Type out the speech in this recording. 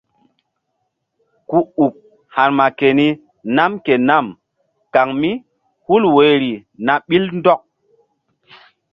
Ku uk ha̧rma keni nam ke nam kan mí hul woyri na ɓil ndɔk.